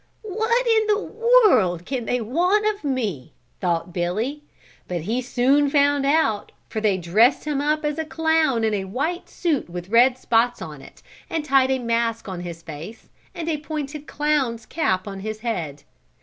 "What in the world can they want of me," thought Billy, but he soon found out for they dressed him up as a clown in a white suit with red spots on it and tied a mask on his face and a pointed clown's cap on his head.